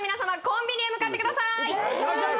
コンビニへ向かってください